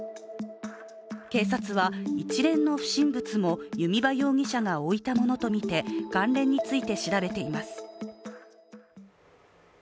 警察は一連の不審物も弓場容疑者が置いたものとみて、関連について調べています。